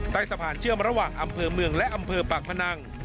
ใต้สะพานเชื่อมระหว่างอำเภอเมืองและอำเภอปากพนัง